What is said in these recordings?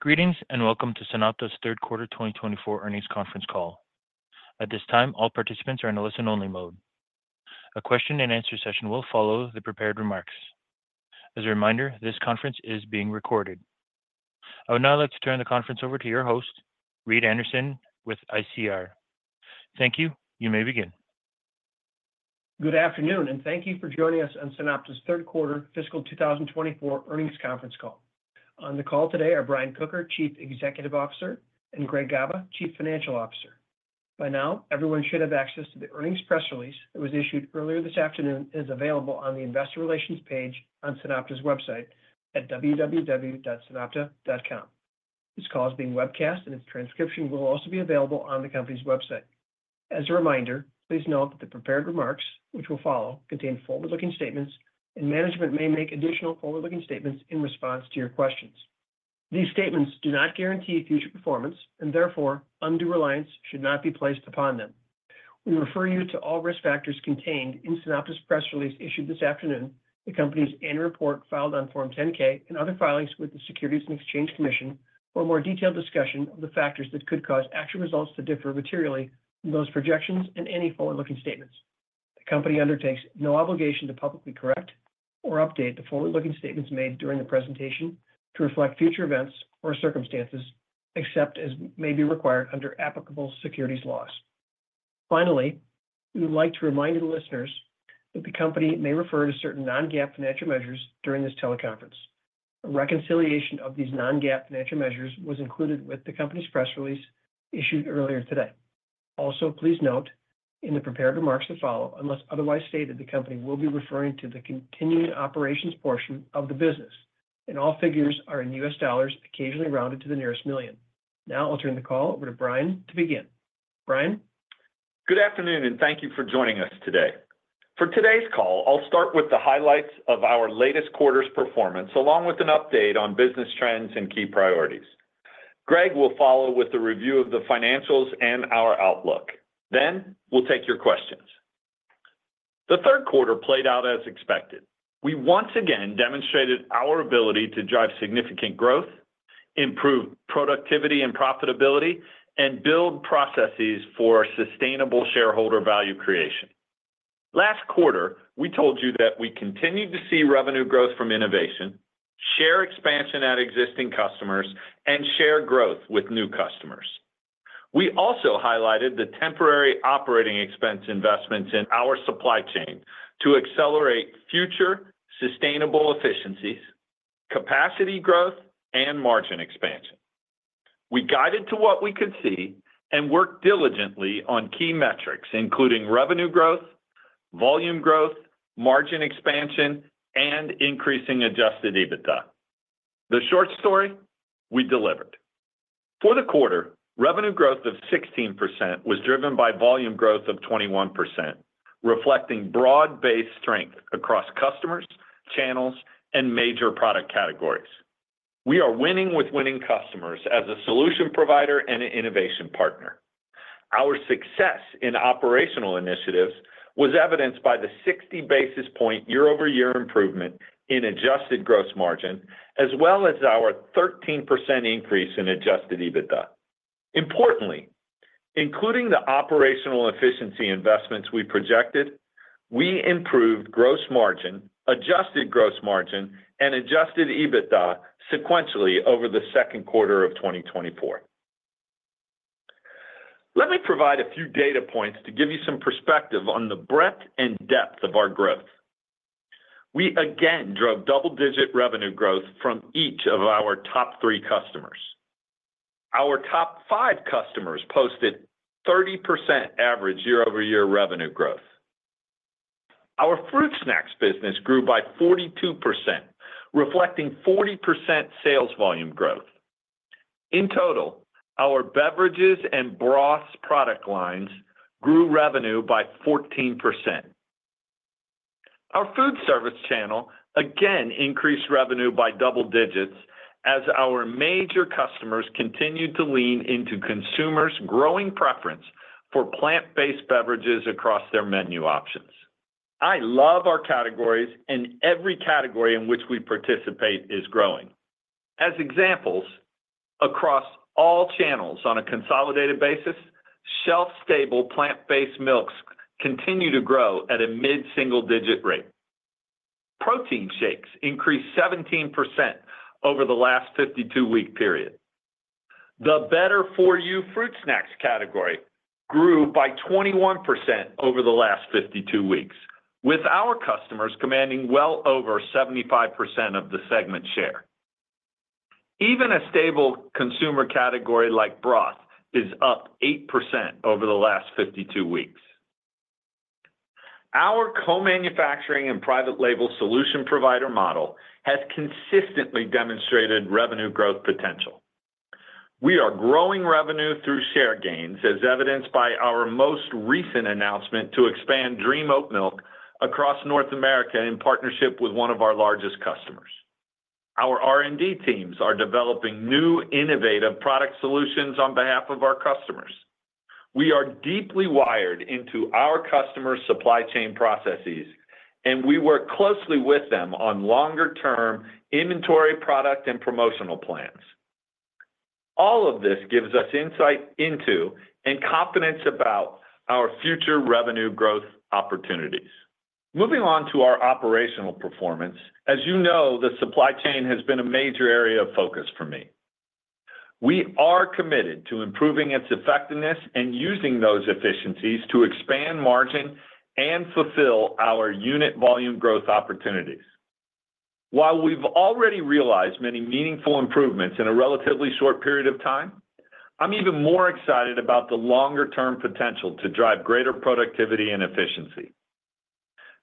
Greetings and welcome to SunOpta's third quarter 2024 earnings conference call. At this time, all participants are in a listen-only mode. A question-and-answer session will follow the prepared remarks. As a reminder, this conference is being recorded. I would now like to turn the conference over to your host, Reed Anderson, with ICR. Thank you. You may begin. Good afternoon, and thank you for joining us on SunOpta's third quarter fiscal 2024 earnings conference call. On the call today are Brian Kocher, Chief Executive Officer, and Greg Gaba, Chief Financial Officer. By now, everyone should have access to the earnings press release that was issued earlier this afternoon and is available on the investor relations page on SunOpta's website at www.sunopta.com. This call is being webcast, and its transcription will also be available on the company's website. As a reminder, please note that the prepared remarks, which will follow, contain forward-looking statements, and management may make additional forward-looking statements in response to your questions. These statements do not guarantee future performance, and therefore, undue reliance should not be placed upon them. We refer you to all risk factors contained in SunOpta's press release issued this afternoon, the company's annual report filed on Form 10-K, and other filings with the Securities and Exchange Commission for a more detailed discussion of the factors that could cause actual results to differ materially from those projections and any forward-looking statements. The company undertakes no obligation to publicly correct or update the forward-looking statements made during the presentation to reflect future events or circumstances, except as may be required under applicable securities laws. Finally, we would like to remind the listeners that the company may refer to certain non-GAAP financial measures during this teleconference. A reconciliation of these non-GAAP financial measures was included with the company's press release issued earlier today. Also, please note in the prepared remarks to follow, unless otherwise stated, the company will be referring to the continuing operations portion of the business, and all figures are in U.S. dollars, occasionally rounded to the nearest million. Now I'll turn the call over to Brian to begin. Brian. Good afternoon, and thank you for joining us today. For today's call, I'll start with the highlights of our latest quarter's performance, along with an update on business trends and key priorities. Greg will follow with a review of the financials and our outlook. Then we'll take your questions. The third quarter played out as expected. We once again demonstrated our ability to drive significant growth, improve productivity and profitability, and build processes for sustainable shareholder value creation. Last quarter, we told you that we continued to see revenue growth from innovation, share expansion at existing customers, and share growth with new customers. We also highlighted the temporary operating expense investments in our supply chain to accelerate future sustainable efficiencies, capacity growth, and margin expansion. We guided to what we could see and worked diligently on key metrics, including revenue growth, volume growth, margin expansion, and increasing Adjusted EBITDA. The short story? We delivered. For the quarter, revenue growth of 16% was driven by volume growth of 21%, reflecting broad-based strength across customers, channels, and major product categories. We are winning with winning customers as a solution provider and an innovation partner. Our success in operational initiatives was evidenced by the 60 basis point year-over-year improvement in adjusted gross margin, as well as our 13% increase in adjusted EBITDA. Importantly, including the operational efficiency investments we projected, we improved gross margin, adjusted gross margin, and adjusted EBITDA sequentially over the second quarter of 2024. Let me provide a few data points to give you some perspective on the breadth and depth of our growth. We again drove double-digit revenue growth from each of our top three customers. Our top five customers posted 30% average year-over-year revenue growth. Our fruit snacks business grew by 42%, reflecting 40% sales volume growth. In total, our beverages and broths product lines grew revenue by 14%. Our food service channel again increased revenue by double digits as our major customers continued to lean into consumers' growing preference for plant-based beverages across their menu options. I love our categories, and every category in which we participate is growing. As examples, across all channels on a consolidated basis, shelf-stable plant-based milks continue to grow at a mid-single-digit rate. Protein shakes increased 17% over the last 52-week period. The better-for-you fruit snacks category grew by 21% over the last 52 weeks, with our customers commanding well over 75% of the segment share. Even a stable consumer category like broth is up 8% over the last 52 weeks. Our co-manufacturing and private label solution provider model has consistently demonstrated revenue growth potential. We are growing revenue through share gains, as evidenced by our most recent announcement to expand Dream Oat Milk across North America in partnership with one of our largest customers. Our R&D teams are developing new innovative product solutions on behalf of our customers. We are deeply wired into our customers' supply chain processes, and we work closely with them on longer-term inventory product and promotional plans. All of this gives us insight into and confidence about our future revenue growth opportunities. Moving on to our operational performance, as you know, the supply chain has been a major area of focus for me. We are committed to improving its effectiveness and using those efficiencies to expand margin and fulfill our unit volume growth opportunities. While we've already realized many meaningful improvements in a relatively short period of time, I'm even more excited about the longer-term potential to drive greater productivity and efficiency.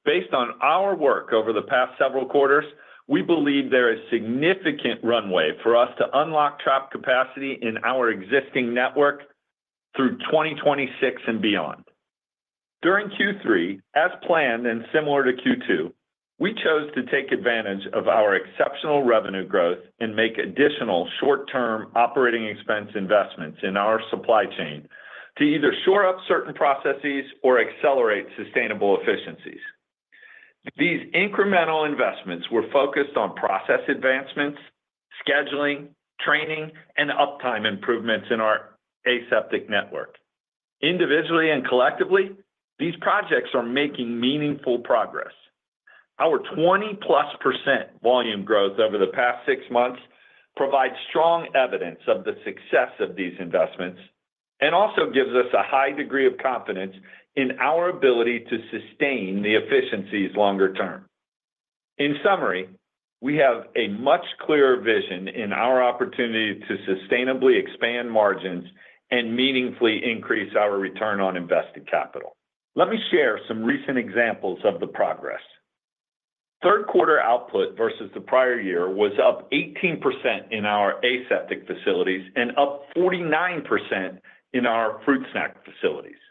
Based on our work over the past several quarters, we believe there is significant runway for us to unlock trapped capacity in our existing network through 2026 and beyond. During Q3, as planned and similar to Q2, we chose to take advantage of our exceptional revenue growth and make additional short-term operating expense investments in our supply chain to either shore up certain processes or accelerate sustainable efficiencies. These incremental investments were focused on process advancements, scheduling, training, and uptime improvements in our aseptic network. Individually and collectively, these projects are making meaningful progress. Our 20-plus% volume growth over the past six months provides strong evidence of the success of these investments and also gives us a high degree of confidence in our ability to sustain the efficiencies longer term. In summary, we have a much clearer vision in our opportunity to sustainably expand margins and meaningfully increase our return on invested capital. Let me share some recent examples of the progress. Third quarter output versus the prior year was up 18% in our aseptic facilities and up 49% in our fruit snack facilities.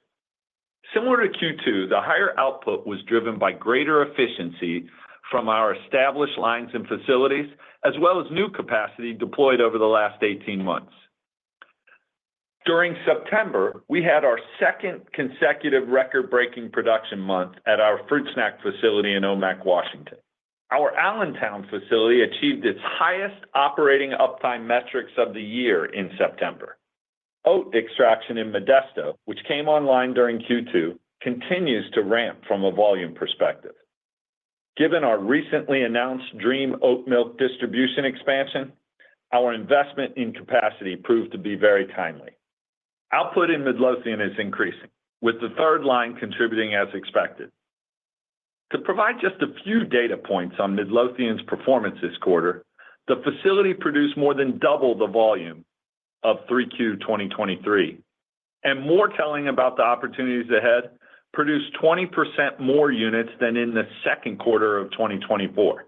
Similar to Q2, the higher output was driven by greater efficiency from our established lines and facilities, as well as new capacity deployed over the last 18 months. During September, we had our second consecutive record-breaking production month at our fruit snack facility in Omak, Washington. Our Allentown facility achieved its highest operating uptime metrics of the year in September. Oat extraction in Modesto, which came online during Q2, continues to ramp from a volume perspective. Given our recently announced Dream Oat Milk distribution expansion, our investment in capacity proved to be very timely. Output in Midlothian is increasing, with the third line contributing as expected. To provide just a few data points on Midlothian's performance this quarter, the facility produced more than double the volume of 3Q 2023, and, more telling about the opportunities ahead, produced 20% more units than in the second quarter of 2024.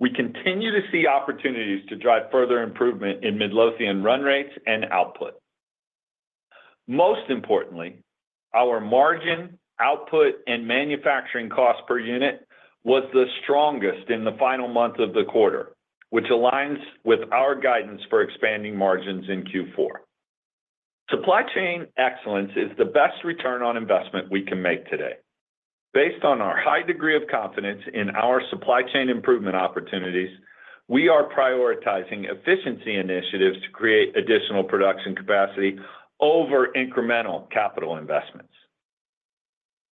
We continue to see opportunities to drive further improvement in Midlothian run rates and output. Most importantly, our margin, output, and manufacturing cost per unit was the strongest in the final month of the quarter, which aligns with our guidance for expanding margins in Q4. Supply chain excellence is the best return on investment we can make today. Based on our high degree of confidence in our supply chain improvement opportunities, we are prioritizing efficiency initiatives to create additional production capacity over incremental capital investments.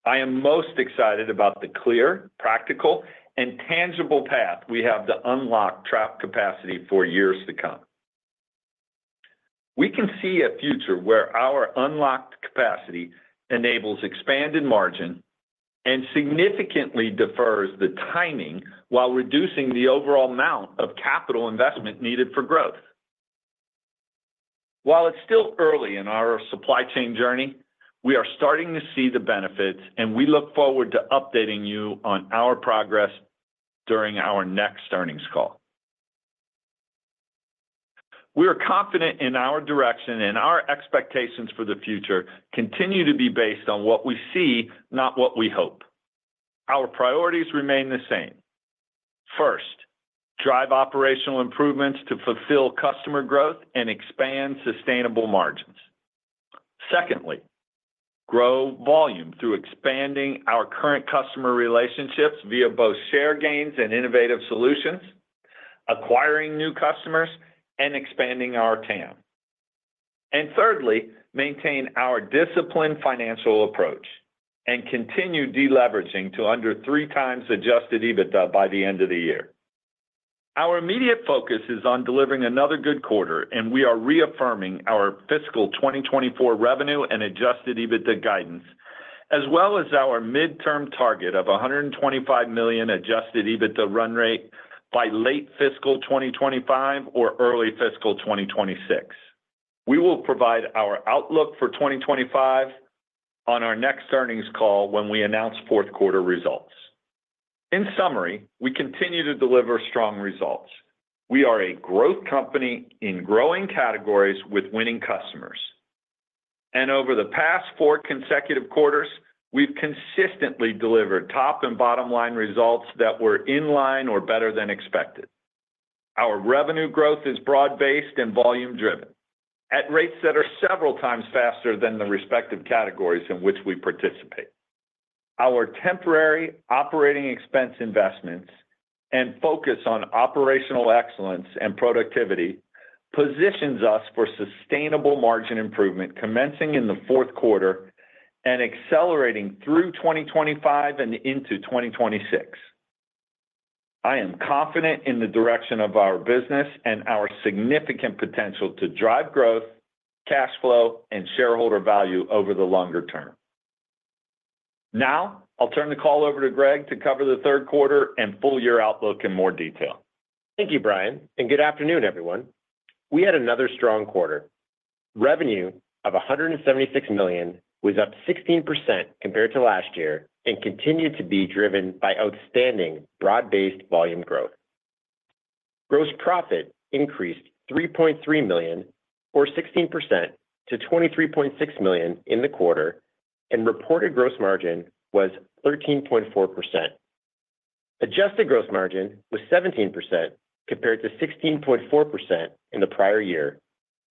I am most excited about the clear, practical, and tangible path we have to unlock trapped capacity for years to come. We can see a future where our unlocked capacity enables expanded margin and significantly defers the timing while reducing the overall amount of capital investment needed for growth. While it's still early in our supply chain journey, we are starting to see the benefits, and we look forward to updating you on our progress during our next earnings call. We are confident in our direction, and our expectations for the future continue to be based on what we see, not what we hope. Our priorities remain the same. First, drive operational improvements to fulfill customer growth and expand sustainable margins. Secondly, grow volume through expanding our current customer relationships via both share gains and innovative solutions, acquiring new customers, and expanding our TAM, and thirdly, maintain our disciplined financial approach and continue deleveraging to under three times Adjusted EBITDA by the end of the year. Our immediate focus is on delivering another good quarter, and we are reaffirming our fiscal 2024 revenue and Adjusted EBITDA guidance, as well as our midterm target of 125 million Adjusted EBITDA run rate by late fiscal 2025 or early fiscal 2026. We will provide our outlook for 2025 on our next earnings call when we announce fourth quarter results. In summary, we continue to deliver strong results. We are a growth company in growing categories with winning customers. And over the past four consecutive quarters, we've consistently delivered top and bottom line results that were in line or better than expected. Our revenue growth is broad-based and volume-driven at rates that are several times faster than the respective categories in which we participate. Our temporary operating expense investments and focus on operational excellence and productivity positions us for sustainable margin improvement commencing in the fourth quarter and accelerating through 2025 and into 2026. I am confident in the direction of our business and our significant potential to drive growth, cash flow, and shareholder value over the longer term. Now, I'll turn the call over to Greg to cover the third quarter and full year outlook in more detail. Thank you, Brian, and good afternoon, everyone. We had another strong quarter. Revenue of $176 million was up 16% compared to last year and continued to be driven by outstanding broad-based volume growth. Gross profit increased $3.3 million, or 16%, to $23.6 million in the quarter, and reported gross margin was 13.4%. Adjusted gross margin was 17% compared to 16.4% in the prior year,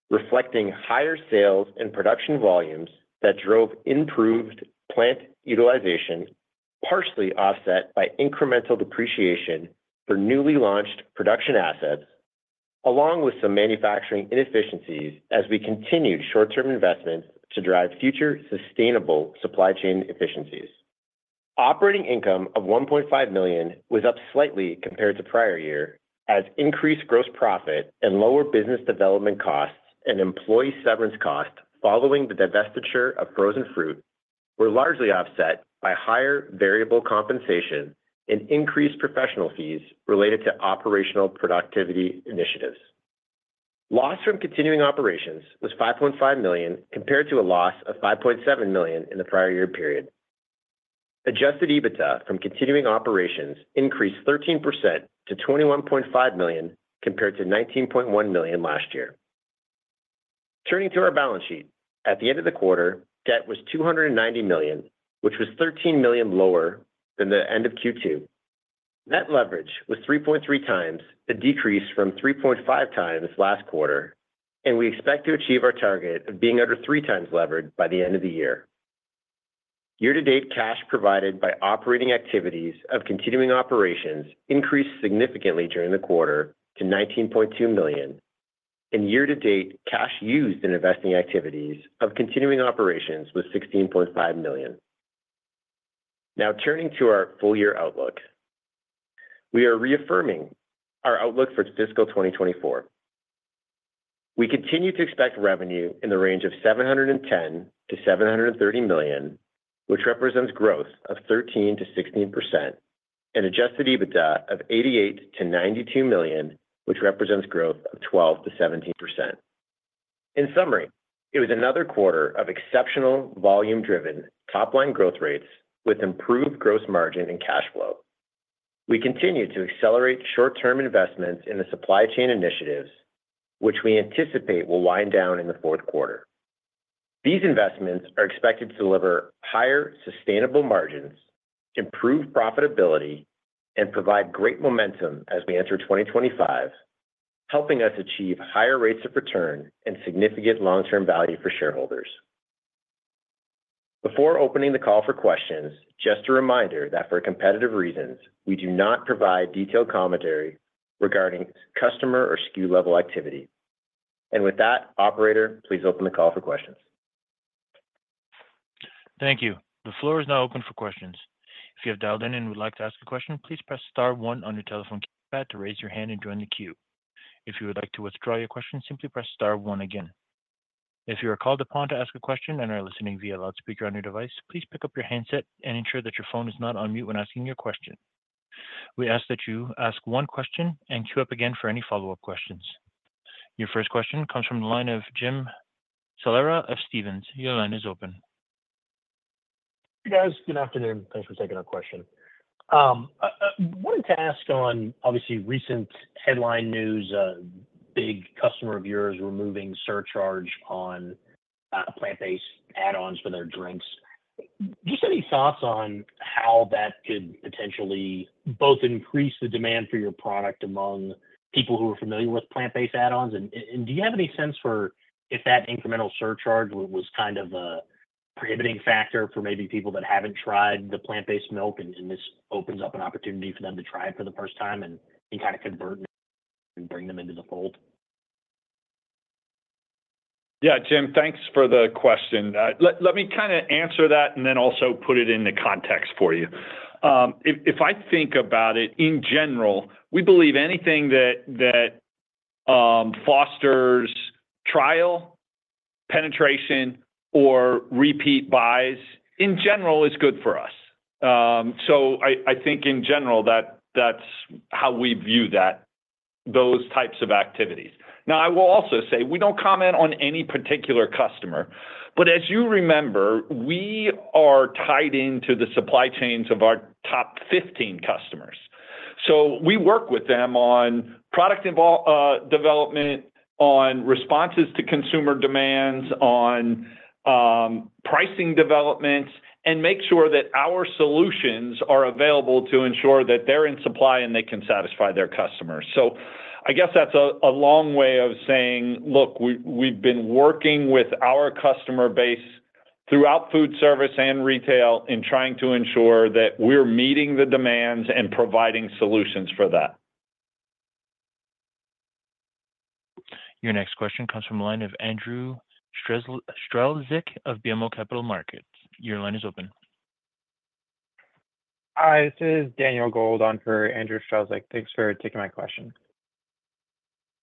reflecting higher sales and production volumes that drove improved plant utilization, partially offset by incremental depreciation for newly launched production assets, along with some manufacturing inefficiencies as we continued short-term investments to drive future sustainable supply chain efficiencies. Operating income of $1.5 million was up slightly compared to prior year as increased gross profit and lower business development costs and employee severance costs following the divestiture of frozen fruit were largely offset by higher variable compensation and increased professional fees related to operational productivity initiatives. Loss from continuing operations was $5.5 million compared to a loss of $5.7 million in the prior year period. Adjusted EBITDA from continuing operations increased 13% to $21.5 million compared to $19.1 million last year. Turning to our balance sheet, at the end of the quarter, debt was $290 million, which was $13 million lower than the end of Q2. Net leverage was 3.3 times a decrease from 3.5 times last quarter, and we expect to achieve our target of being under three times leverage by the end of the year. Year-to-date cash provided by operating activities of continuing operations increased significantly during the quarter to $19.2 million, and year-to-date cash used in investing activities of continuing operations was $16.5 million. Now, turning to our full year outlook, we are reaffirming our outlook for fiscal 2024. We continue to expect revenue in the range of $710 million-$730 million, which represents growth of 13%-16%, and Adjusted EBITDA of $88 million-$92 million, which represents growth of 12%-17%. In summary, it was another quarter of exceptional volume-driven top-line growth rates with improved gross margin and cash flow. We continue to accelerate short-term investments in the supply chain initiatives, which we anticipate will wind down in the fourth quarter. These investments are expected to deliver higher sustainable margins, improved profitability, and provide great momentum as we enter 2025, helping us achieve higher rates of return and significant long-term value for shareholders. Before opening the call for questions, just a reminder that for competitive reasons, we do not provide detailed commentary regarding customer or SKU-level activity. And with that, Operator, please open the call for questions. Thank you. The floor is now open for questions. If you have dialed in and would like to ask a question, please press star one on your telephone keypad to raise your hand and join the queue. If you would like to withdraw your question, simply press star one again. If you are called upon to ask a question and are listening via loudspeaker on your device, please pick up your handset and ensure that your phone is not on mute when asking your question. We ask that you ask one question and queue up again for any follow-up questions. Your first question comes from the line of Jim Salera of Stephens. Your line is open. Hey, guys. Good afternoon. Thanks for taking our question. I wanted to ask on, obviously, recent headline news. A big customer of yours removing surcharge on plant-based add-ons for their drinks. Just any thoughts on how that could potentially both increase the demand for your product among people who are familiar with plant-based add-ons? And do you have any sense for if that incremental surcharge was kind of a prohibiting factor for maybe people that haven't tried the plant-based milk and this opens up an opportunity for them to try it for the first time and kind of convert and bring them into the fold? Yeah, Jim, thanks for the question. Let me kind of answer that and then also put it into context for you. If I think about it, in general, we believe anything that fosters trial, penetration, or repeat buys, in general, is good for us. So I think, in general, that's how we view those types of activities. Now, I will also say we don't comment on any particular customer, but as you remember, we are tied into the supply chains of our top 15 customers. So we work with them on product development, on responses to consumer demands, on pricing developments, and make sure that our solutions are available to ensure that they're in supply and they can satisfy their customers. So I guess that's a long way of saying, "Look, we've been working with our customer base throughout food service and retail in trying to ensure that we're meeting the demands and providing solutions for that." Your next question comes from the line of Andrew Strelzik of BMO Capital Markets. Your line is open. Hi, this is Daniel Gold on for Andrew Strelzik. Thanks for taking my question.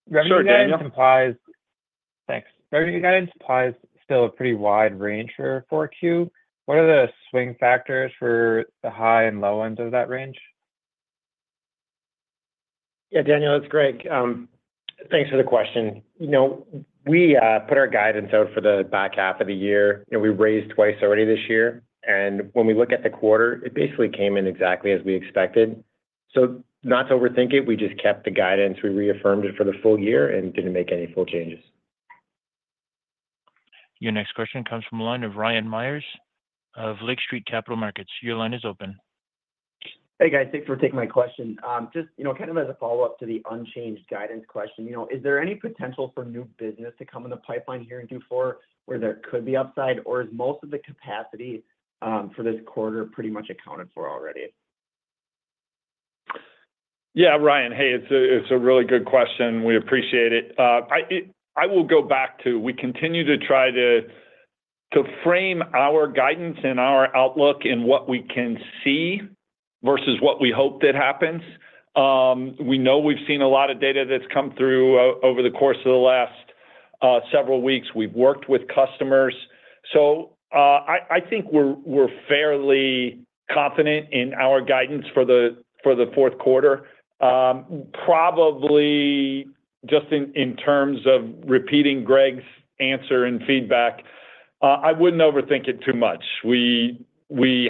Revenue guidance implies—thanks. Revenue guidance implies still a pretty wide range for Q4. What are the swing factors for the high and low ends of that range? Yeah, Daniel, that's great. Thanks for the question. We put our guidance out for the back half of the year. We raised twice already this year. And when we look at the quarter, it basically came in exactly as we expected. So not to overthink it, we just kept the guidance. We reaffirmed it for the full year and didn't make any changes. Your next question comes from the line of Ryan Meyers of Lake Street Capital Markets. Your line is open. Hey, guys. Thanks for taking my question. Just kind of as a follow-up to the unchanged guidance question, is there any potential for new business to come in the pipeline here in Q4 where there could be upside, or is most of the capacity for this quarter pretty much accounted for already? Yeah, Ryan, hey, it's a really good question. We appreciate it. I will go back to we continue to try to frame our guidance and our outlook in what we can see versus what we hope that happens. We know we've seen a lot of data that's come through over the course of the last several weeks. We've worked with customers. So I think we're fairly confident in our guidance for the fourth quarter. Probably just in terms of repeating Greg's answer and feedback, I wouldn't overthink it too much. We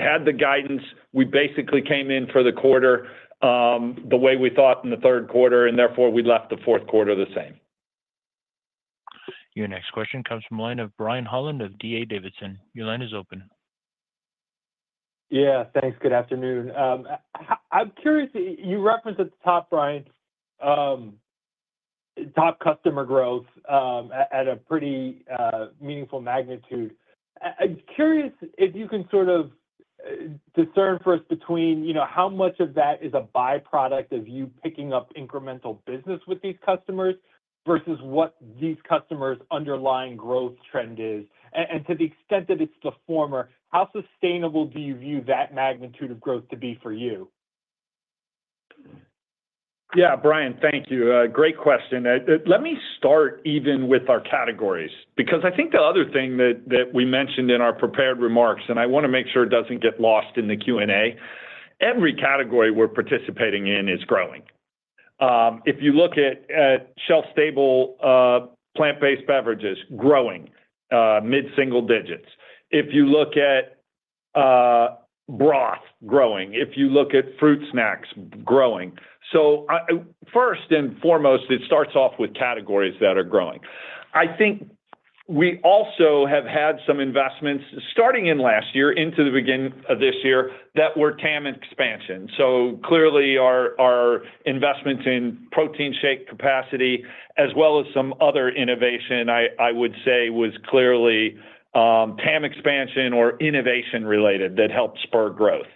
had the guidance. We basically came in for the quarter the way we thought in the third quarter, and therefore we left the fourth quarter the same. Your next question comes from the line of Brian Holland of DA Davidson. Your line is open. Yeah, thanks. Good afternoon. I'm curious. You referenced at the top, Brian, top customer growth at a pretty meaningful magnitude. I'm curious if you can sort of discern for us between how much of that is a byproduct of you picking up incremental business with these customers versus what these customers' underlying growth trend is. And to the extent that it's the former, how sustainable do you view that magnitude of growth to be for you? Yeah, Brian, thank you. Great question. Let me start even with our categories because I think the other thing that we mentioned in our prepared remarks, and I want to make sure it doesn't get lost in the Q&A. Every category we're participating in is growing. If you look at shelf-stable plant-based beverages, growing mid-single digits. If you look at broth, growing. If you look at fruit snacks, growing. First and foremost, it starts off with categories that are growing. I think we also have had some investments starting in last year into the beginning of this year that were TAM expansion. Clearly, our investments in protein shake capacity, as well as some other innovation, I would say, was clearly TAM expansion or innovation-related that helped spur growth.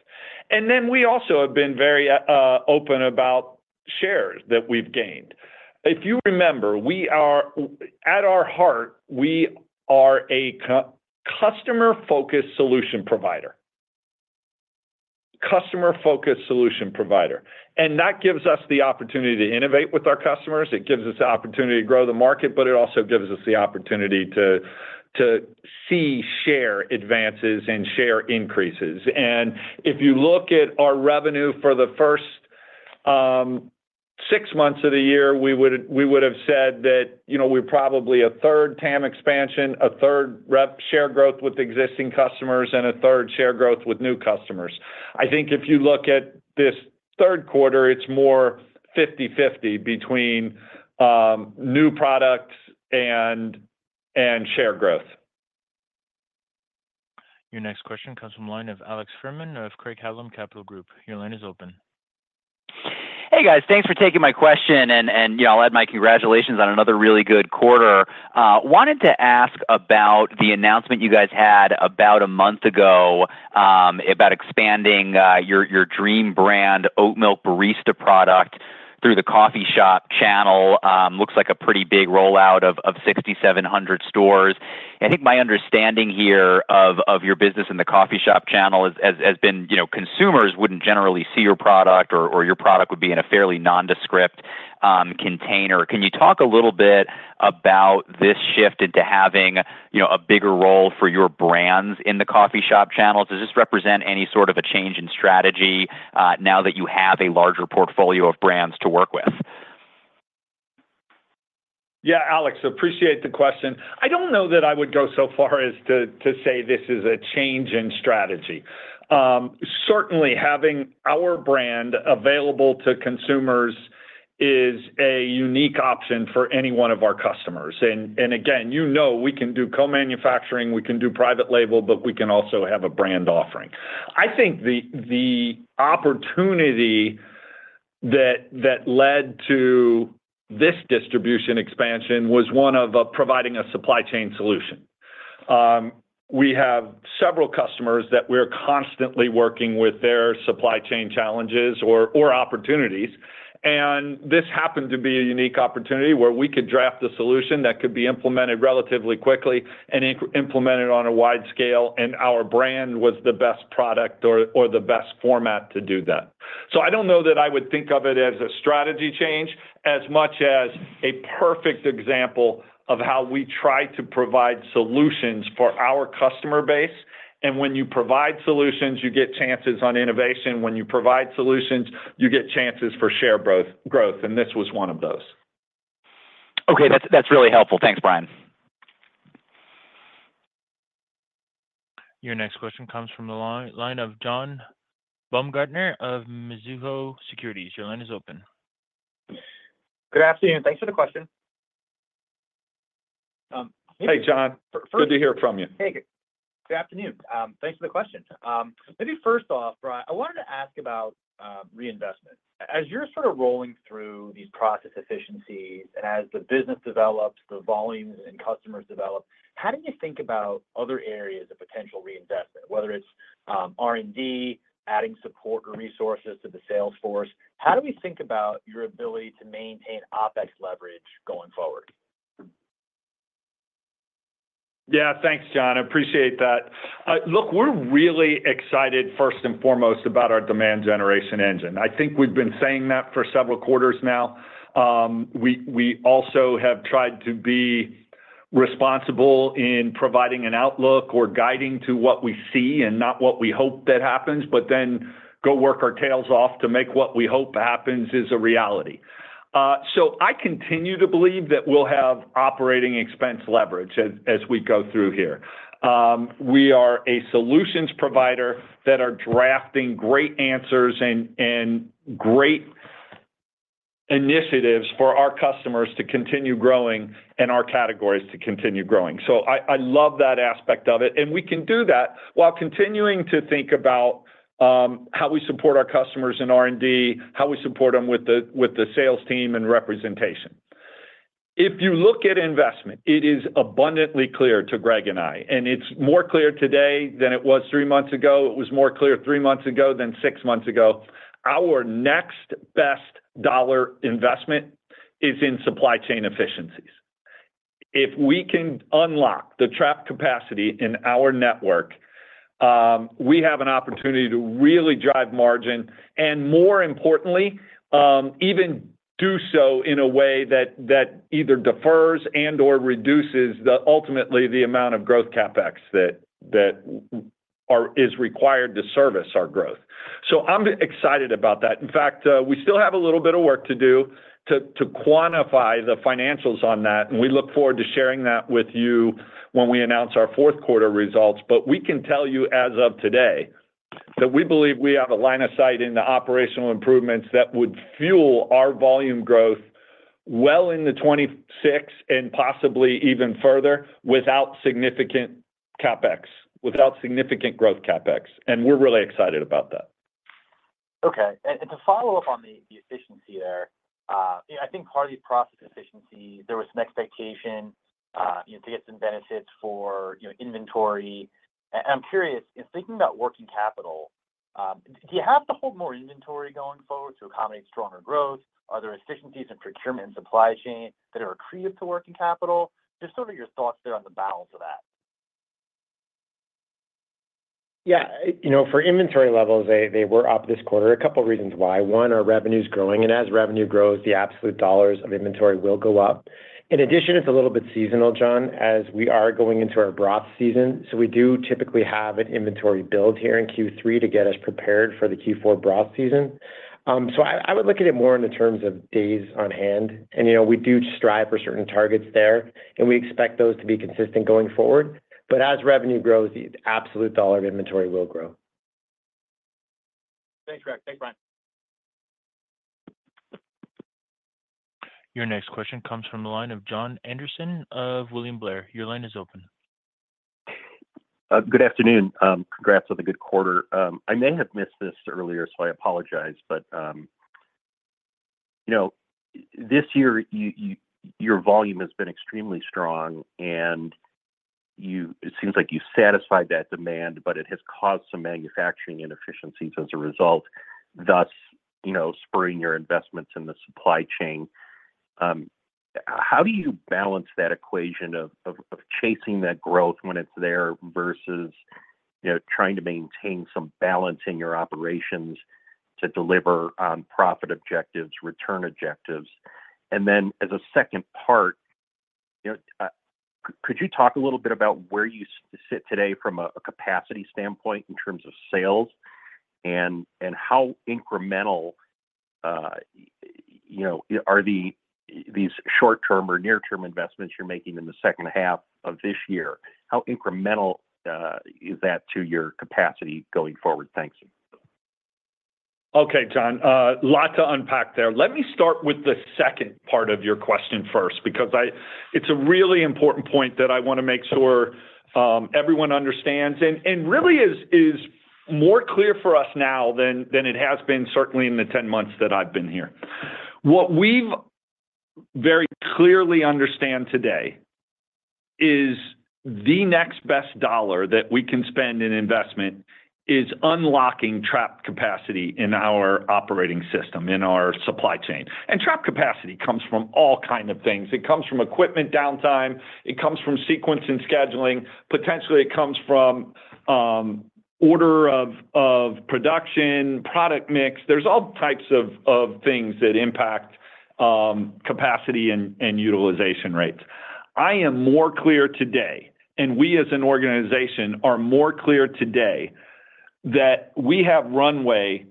Then we also have been very open about shares that we've gained. If you remember, at our heart, we are a customer-focused solution provider. Customer-focused solution provider. That gives us the opportunity to innovate with our customers. It gives us the opportunity to grow the market, but it also gives us the opportunity to see share advances and share increases. If you look at our revenue for the first six months of the year, we would have said that we're probably a third TAM expansion, a third share growth with existing customers, and a third share growth with new customers. I think if you look at this third quarter, it's more 50/50 between new products and share growth. Your next question comes from the line of Alex Fuhrman of Craig-Hallum Capital Group. Your line is open. Hey, guys. Thanks for taking my question. I'll add my congratulations on another really good quarter. Wanted to ask about the announcement you guys had about a month ago about expanding your Dream brand oat milk barista product through the coffee shop channel. Looks like a pretty big rollout of 6,700 stores. I think my understanding here of your business in the coffee shop channel has been consumers wouldn't generally see your product or your product would be in a fairly nondescript container. Can you talk a little bit about this shift into having a bigger role for your brands in the coffee shop channels? Does this represent any sort of a change in strategy now that you have a larger portfolio of brands to work with? Yeah, Alex, appreciate the question. I don't know that I would go so far as to say this is a change in strategy. Certainly, having our brand available to consumers is a unique option for any one of our customers. And again, you know we can do co-manufacturing, we can do private label, but we can also have a brand offering. I think the opportunity that led to this distribution expansion was one of providing a supply chain solution. We have several customers that we're constantly working with their supply chain challenges or opportunities, and this happened to be a unique opportunity where we could draft a solution that could be implemented relatively quickly and implemented on a wide scale, and our brand was the best product or the best format to do that, so I don't know that I would think of it as a strategy change as much as a perfect example of how we try to provide solutions for our customer base, and when you provide solutions, you get chances on innovation. When you provide solutions, you get chances for share growth, and this was one of those. Okay, that's really helpful. Thanks, Brian. Your next question comes from the line of John Baumgartner of Mizuho Securities. Your line is open. Good afternoon. Thanks for the question. Hey, John. Good to hear from you. Hey, good afternoon. Thanks for the question. Maybe first off, Brian, I wanted to ask about reinvestment. As you're sort of rolling through these process efficiencies and as the business develops, the volumes and customers develop, how do you think about other areas of potential reinvestment, whether it's R&D, adding support or resources to the sales force? How do we think about your ability to maintain OpEx leverage going forward? Yeah, thanks, John. I appreciate that. Look, we're really excited first and foremost about our demand generation engine. I think we've been saying that for several quarters now. We also have tried to be responsible in providing an outlook or guiding to what we see and not what we hope that happens, but then go work our tails off to make what we hope happens a reality, so I continue to believe that we'll have operating expense leverage as we go through here. We are a solutions provider that are drafting great answers and great initiatives for our customers to continue growing and our categories to continue growing, so I love that aspect of it, and we can do that while continuing to think about how we support our customers in R&D, how we support them with the sales team and representation. If you look at investment, it is abundantly clear to Greg and I, and it's more clear today than it was three months ago. It was more clear three months ago than six months ago. Our next best dollar investment is in supply chain efficiencies. If we can unlock the trapped capacity in our network, we have an opportunity to really drive margin and, more importantly, even do so in a way that either defers and/or reduces ultimately the amount of growth CapEx that is required to service our growth. So I'm excited about that. In fact, we still have a little bit of work to do to quantify the financials on that. And we look forward to sharing that with you when we announce our fourth quarter results. But we can tell you as of today that we believe we have a line of sight in the operational improvements that would fuel our volume growth well in 2026 and possibly even further without significant CapEx, without significant growth CapEx. And we're really excited about that. Okay. And to follow up on the efficiency there, I think part of the process efficiency, there was some expectation to get some benefits for inventory. And I'm curious, in thinking about working capital, do you have to hold more inventory going forward to accommodate stronger growth? Are there efficiencies in procurement and supply chain that are accretive to working capital? Just sort of your thoughts there on the balance of that. Yeah. For inventory levels, they were up this quarter. A couple of reasons why. One, our revenue is growing. And as revenue grows, the absolute dollars of inventory will go up. In addition, it's a little bit seasonal, John, as we are going into our broth season. So we do typically have an inventory build here in Q3 to get us prepared for the Q4 broth season. So I would look at it more in the terms of days on hand. And we do strive for certain targets there, and we expect those to be consistent going forward. But as revenue grows, the absolute dollar of inventory will grow. Thanks, Greg. Thanks, Brian. Your next question comes from the line of Jon Andersen of William Blair. Your line is open. Good afternoon. Congrats on a good quarter. I may have missed this earlier, so I apologize. But this year, your volume has been extremely strong, and it seems like you satisfied that demand, but it has caused some manufacturing inefficiencies as a result, thus spurring your investments in the supply chain. How do you balance that equation of chasing that growth when it's there versus trying to maintain some balance in your operations to deliver on profit objectives, return objectives? And then as a second part, could you talk a little bit about where you sit today from a capacity standpoint in terms of sales and how incremental are these short-term or near-term investments you're making in the second half of this year? How incremental is that to your capacity going forward? Thanks. Okay, John. A lot to unpack there. Let me start with the second part of your question first because it's a really important point that I want to make sure everyone understands and really is more clear for us now than it has been, certainly in the 10 months that I've been here. What we very clearly understand today is the next best dollar that we can spend in investment is unlocking trapped capacity in our operating system, in our supply chain. And trapped capacity comes from all kinds of things. It comes from equipment downtime. It comes from sequence and scheduling. Potentially, it comes from order of production, product mix. There's all types of things that impact capacity and utilization rates. I am more clear today, and we as an organization are more clear today that we have runway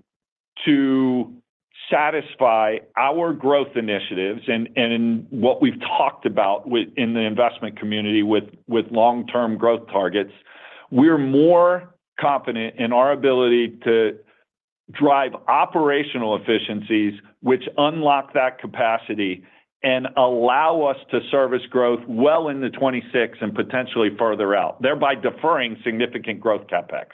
to satisfy our growth initiatives and what we've talked about in the investment community with long-term growth targets. We're more confident in our ability to drive operational efficiencies, which unlock that capacity and allow us to service growth well in the 26 and potentially further out, thereby deferring significant growth CapEx.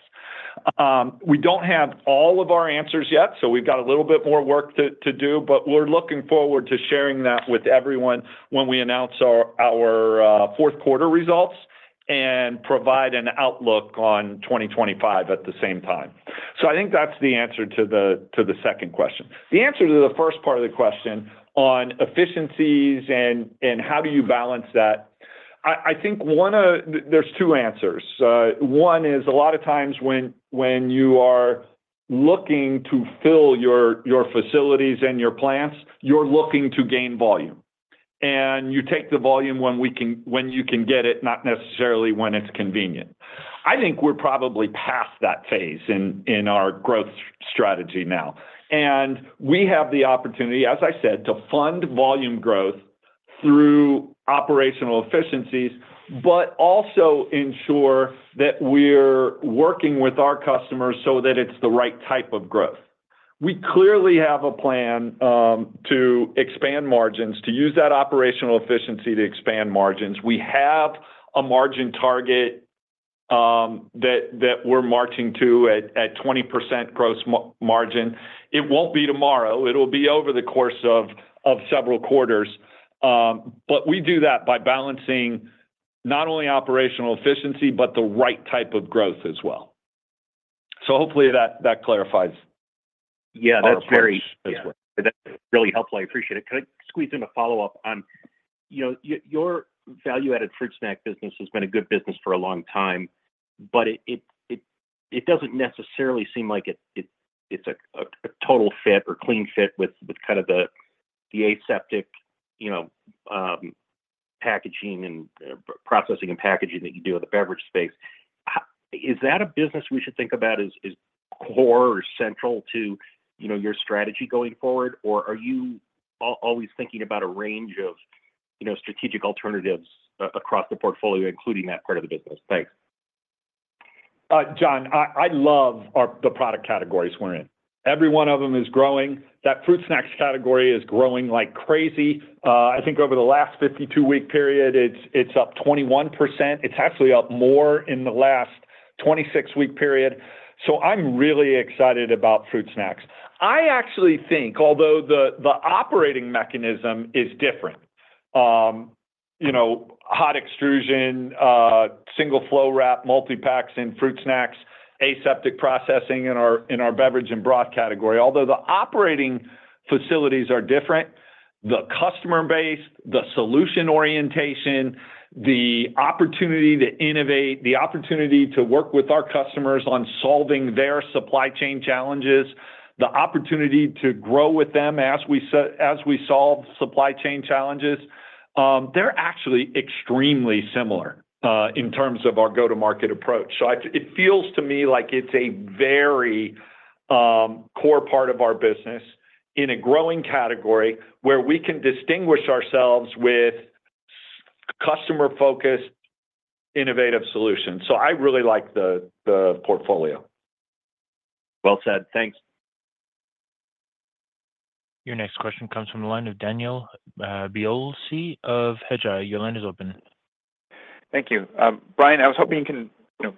We don't have all of our answers yet, so we've got a little bit more work to do, but we're looking forward to sharing that with everyone when we announce our fourth quarter results and provide an outlook on 2025 at the same time. So I think that's the answer to the second question. The answer to the first part of the question on efficiencies and how do you balance that. I think there's two answers. One is a lot of times when you are looking to fill your facilities and your plants, you're looking to gain volume, and you take the volume when you can get it, not necessarily when it's convenient. I think we're probably past that phase in our growth strategy now, and we have the opportunity, as I said, to fund volume growth through operational efficiencies, but also ensure that we're working with our customers so that it's the right type of growth. We clearly have a plan to expand margins, to use that operational efficiency to expand margins. We have a margin target that we're marching to at 20% gross margin. It won't be tomorrow. It will be over the course of several quarters. But we do that by balancing not only operational efficiency, but the right type of growth as well. So hopefully that clarifies. Yeah, that's very helpful. That's really helpful. I appreciate it. Can I squeeze in a follow-up on your value-added fruit snack business? It has been a good business for a long time, but it doesn't necessarily seem like it's a total fit or clean fit with kind of the aseptic packaging and processing and packaging that you do in the beverage space. Is that a business we should think about as core or central to your strategy going forward, or are you always thinking about a range of strategic alternatives across the portfolio, including that part of the business? Thanks. John, I love the product categories we're in. Every one of them is growing. That fruit snacks category is growing like crazy. I think over the last 52-week period, it's up 21%. It's actually up more in the last 26-week period. So I'm really excited about fruit snacks. I actually think, although the operating mechanism is different, hot extrusion, single flow wrap, multi-packs in fruit snacks, aseptic processing in our beverage and broth category. Although the operating facilities are different, the customer base, the solution orientation, the opportunity to innovate, the opportunity to work with our customers on solving their supply chain challenges, the opportunity to grow with them as we solve supply chain challenges, they're actually extremely similar in terms of our go-to-market approach. So it feels to me like it's a very core part of our business in a growing category where we can distinguish ourselves with customer-focused innovative solutions. So I really like the portfolio. Well said. Thanks. Your next question comes from the line of Daniel Biolsi of Hedgeye. Your line is open. Thank you. Brian, I was hoping you can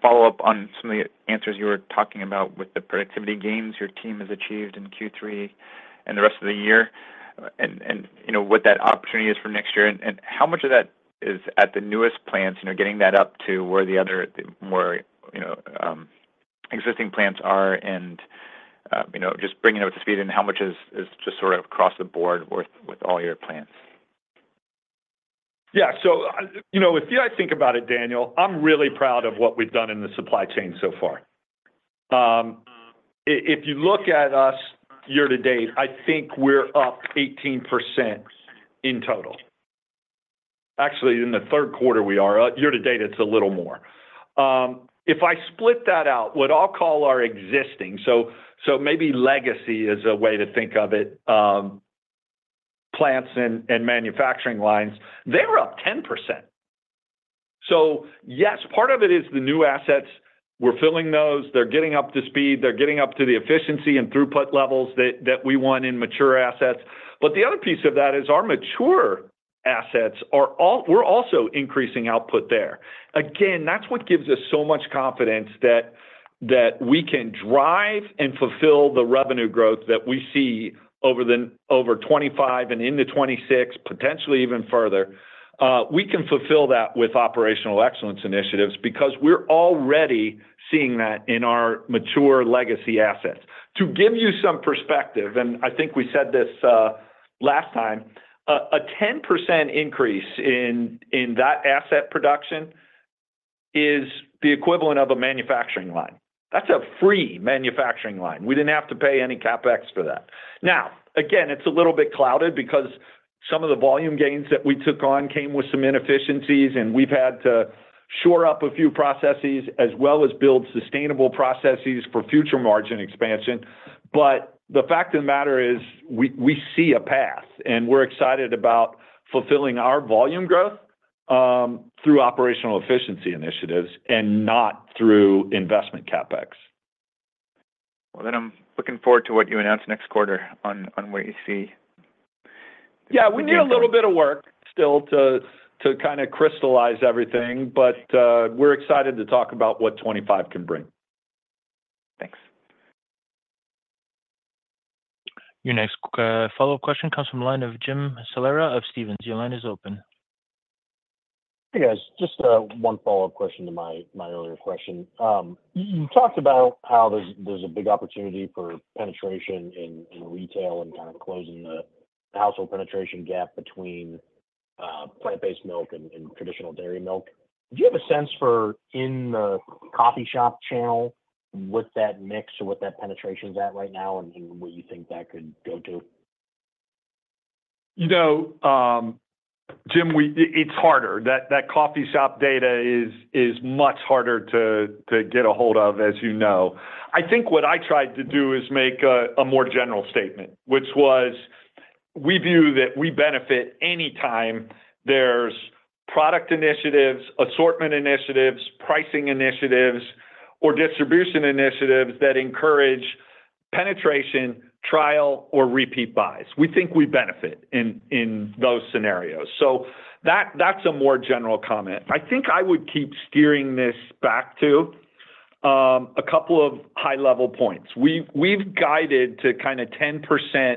follow up on some of the answers you were talking about with the productivity gains your team has achieved in Q3 and the rest of the year and what that opportunity is for next year. And how much of that is at the newest plants, getting that up to where the other existing plants are and just bringing it up to speed, and how much is just sort of across the board with all your plants? Yeah. So the way I think about it, Daniel, I'm really proud of what we've done in the supply chain so far. If you look at us year to date, I think we're up 18% in total. Actually, in the third quarter, we are. Year to date, it's a little more. If I split that out, what I'll call our existing, so maybe legacy is a way to think of it, plants and manufacturing lines, they're up 10%. So yes, part of it is the new assets. We're filling those. They're getting up to speed. They're getting up to the efficiency and throughput levels that we want in mature assets. But the other piece of that is our mature assets. We're also increasing output there. Again, that's what gives us so much confidence that we can drive and fulfill the revenue growth that we see over 2025 and into 2026, potentially even further. We can fulfill that with operational excellence initiatives because we're already seeing that in our mature legacy assets. To give you some perspective, and I think we said this last time, a 10% increase in that asset production is the equivalent of a manufacturing line. That's a free manufacturing line. We didn't have to pay any CapEx for that. Now, again, it's a little bit clouded because some of the volume gains that we took on came with some inefficiencies, and we've had to shore up a few processes as well as build sustainable processes for future margin expansion. But the fact of the matter is we see a path, and we're excited about fulfilling our volume growth through operational efficiency initiatives and not through investment CapEx. Well, then I'm looking forward to what you announce next quarter on what you see. Yeah. We need a little bit of work still to kind of crystallize everything, but we're excited to talk about what 2025 can bring. Thanks. Your next follow-up question comes from the line of Jim Salera of Stephens. Your line is open. Hey, guys. Just one follow-up question to my earlier question. You talked about how there's a big opportunity for penetration in retail and kind of closing the household penetration gap between plant-based milk and traditional dairy milk. Do you have a sense for in the coffee shop channel what that mix or what that penetration is at right now and where you think that could go to? Jim, it's harder. That coffee shop data is much harder to get a hold of, as you know. I think what I tried to do is make a more general statement, which was we view that we benefit anytime there's product initiatives, assortment initiatives, pricing initiatives, or distribution initiatives that encourage penetration, trial, or repeat buys. We think we benefit in those scenarios. So that's a more general comment. I think I would keep steering this back to a couple of high-level points. We've guided to kind of 10%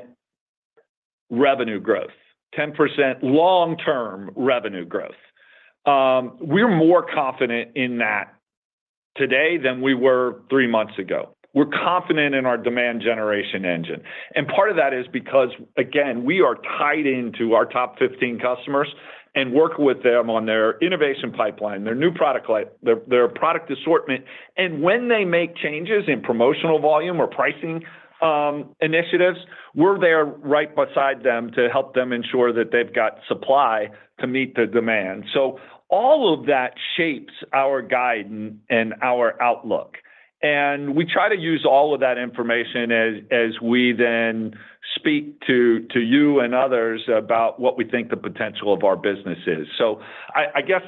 revenue growth, 10% long-term revenue growth. We're more confident in that today than we were three months ago. We're confident in our demand generation engine. And part of that is because, again, we are tied into our top 15 customers and work with them on their innovation pipeline, their new product assortment. And when they make changes in promotional volume or pricing initiatives, we're there right beside them to help them ensure that they've got supply to meet the demand. So all of that shapes our guide and our outlook. And we try to use all of that information as we then speak to you and others about what we think the potential of our business is. So I guess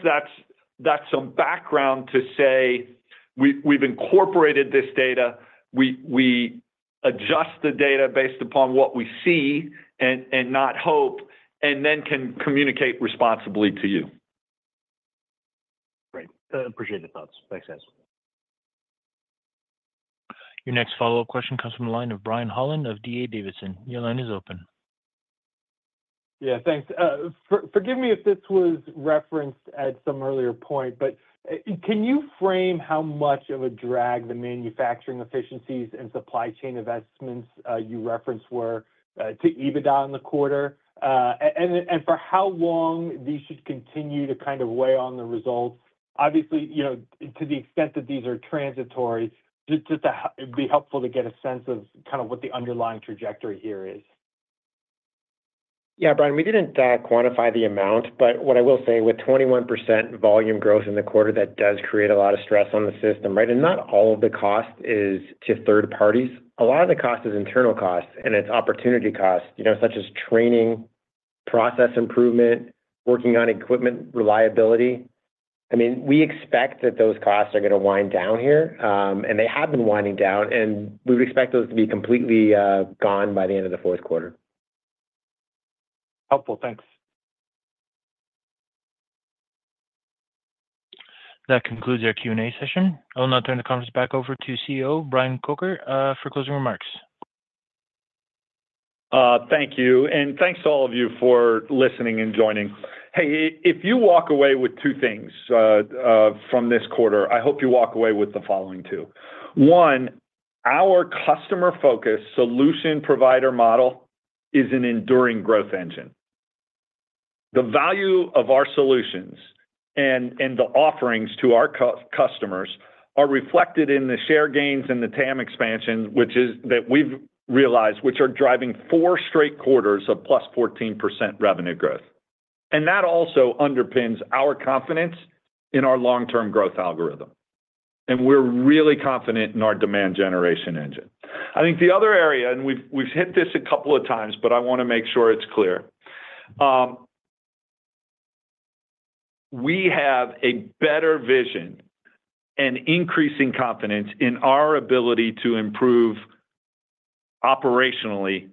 that's some background to say we've incorporated this data. We adjust the data based upon what we see and not hope, and then can communicate responsibly to you. Great. Appreciate the thoughts. Thanks, guys. Your next follow-up question comes from the line of Brian Holland of D.A. Davidson. Your line is open. Yeah. Thanks. Forgive me if this was referenced at some earlier point, but can you frame how much of a drag the manufacturing efficiencies and supply chain investments you referenced were to EBITDA in the quarter and for how long these should continue to kind of weigh on the results? Obviously, to the extent that these are transitory, it'd be helpful to get a sense of kind of what the underlying trajectory here is. Yeah, Brian, we didn't quantify the amount, but what I will say, with 21% volume growth in the quarter, that does create a lot of stress on the system, right? And not all of the cost is to third parties. A lot of the cost is internal costs, and it's opportunity costs, such as training, process improvement, working on equipment reliability. I mean, we expect that those costs are going to wind down here, and they have been winding down, and we would expect those to be completely gone by the end of the fourth quarter. Helpful. Thanks. That concludes our Q&A session. I will now turn the conference back over to CEO Brian Kocher for closing remarks. Thank you. And thanks to all of you for listening and joining. Hey, if you walk away with two things from this quarter, I hope you walk away with the following two. One, our customer-focused solution provider model is an enduring growth engine. The value of our solutions and the offerings to our customers are reflected in the share gains and the TAM expansion, which we've realized, which are driving four straight quarters of plus 14% revenue growth. And that also underpins our confidence in our long-term growth algorithm. And we're really confident in our demand generation engine. I think the other area, and we've hit this a couple of times, but I want to make sure it's clear. We have a better vision and increasing confidence in our ability to improve operationally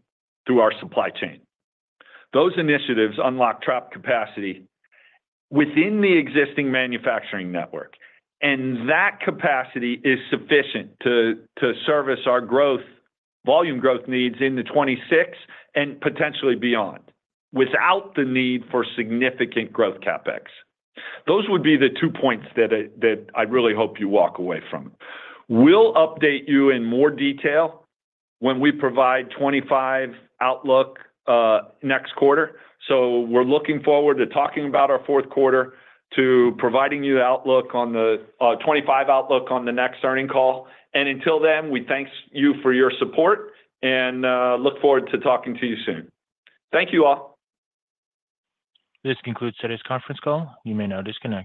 through our supply chain. Those initiatives unlock trapped capacity within the existing manufacturing network. And that capacity is sufficient to service our volume growth needs in the 2026 and potentially beyond without the need for significant growth CapEx. Those would be the two points that I really hope you walk away from. We'll update you in more detail when we provide 2025 outlook next quarter. So we're looking forward to talking about our fourth quarter, to providing you the outlook on the 2025 outlook on the next earnings call. And until then, we thank you for your support and look forward to talking to you soon. Thank you all. This concludes today's conference call. You may now disconnect.